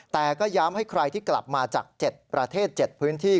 แต่ก็ย้ำให้ใครที่กลับมาจาก๗ประเทศ๗พื้นที่